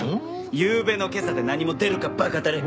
ゆうべの今朝で何も出るか馬鹿たれ！